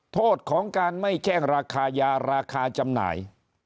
โทษของการไม่แจ้งราคายาราคาจำหน่าย